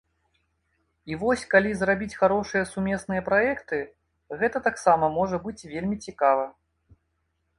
І вось калі тут зрабіць харошыя сумесныя праекты, гэта таксама можа быць вельмі цікава.